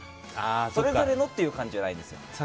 それぞれのっていう感じじゃないんですよ。